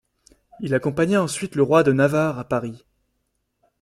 Il accompagna ensuite le roi de Navarre à Paris.